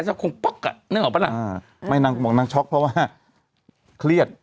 สักคงป๊อกอ่ะนึกออกปะล่ะอ่าไม่นางก็บอกนางช็อกเพราะว่าเครียด